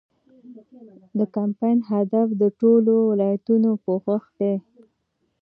د کمپاین هدف د ټولو ولایتونو پوښښ دی.